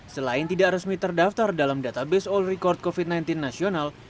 selain tidak resmi terdaftar dalam database all record covid sembilan belas nasional